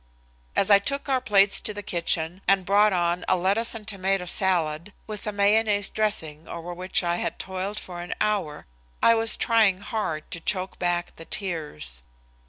As I took our plates to the kitchen and brought on a lettuce and tomato salad with a mayonnaise dressing over which I had toiled for an hour, I was trying hard to choke back the tears.